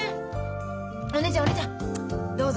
お姉ちゃんお姉ちゃんどうぞ。